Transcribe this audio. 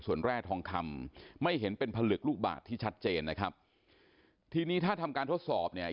ส่วนแร่ทองคำไม่เห็นเป็นผลึกลูกบาทที่ชัดเจนนะครับทีนี้ถ้าทำการทดสอบเนี่ย